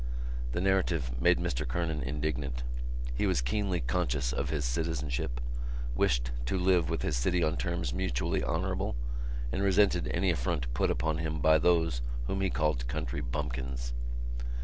The narrative made Mr Kernan indignant. He was keenly conscious of his citizenship, wished to live with his city on terms mutually honourable and resented any affront put upon him by those whom he called country bumpkins.